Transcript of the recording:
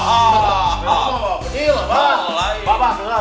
padahal tadi wadah reva